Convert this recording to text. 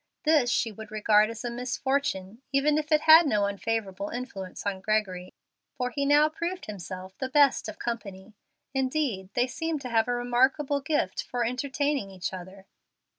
This she would regard as a misfortune, even if it had no unfavorable influence on Gregory, for he now proved himself the best of company. Indeed, they seemed to have a remarkable gift for entertaining each other.